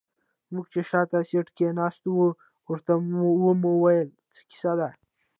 موږ چې شاته سيټ کې ناست وو ورته ومو ويل څه کيسه ده.